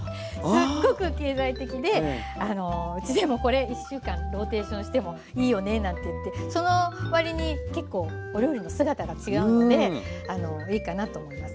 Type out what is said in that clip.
すっごく経済的でうちでもこれ１週間ローテーションしてもいいよねなんて言ってその割に結構お料理の姿が違うのでいいかなと思います。